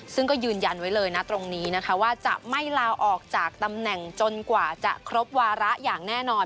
ซึ่งก็ยืนยันไว้เลยนะตรงนี้นะคะว่าจะไม่ลาออกจากตำแหน่งจนกว่าจะครบวาระอย่างแน่นอน